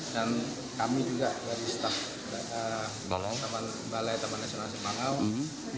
dan kami juga dari staff balai taman nasional sebangau